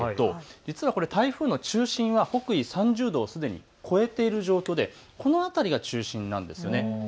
実はこれ、台風の中心は北緯３０度をすでに越えている状況でこの辺りが中心なんです。